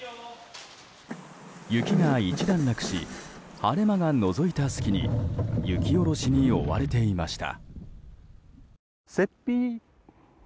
雪が一段落し晴れ間がのぞいた隙に雪下ろしに追われていました。